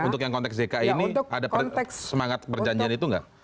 untuk yang konteks dki ini ada semangat perjanjian itu nggak